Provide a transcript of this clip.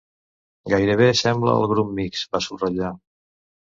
Gairebé sembla el grup mixt, va subratllar.